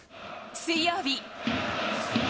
水曜日。